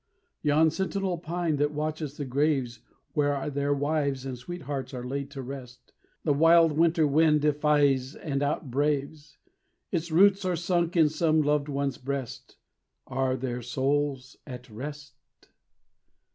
Yon sentinel pine that watches the graves Where their wives and sweethearts are laid to rest The wild winter wind defies and outbraves; Its roots are sunk in some loved one's breast. Are their souls at rest?